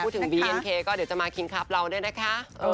ถึงบีเอ็นเคก็เดี๋ยวจะมาคิงคับเราด้วยนะคะ